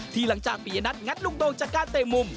หลังจากปียนัทงัดลูกดงจากการเตะมุม